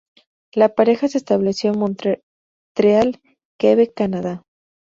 La pareja se estableció en Montreal, Quebec, Canadá.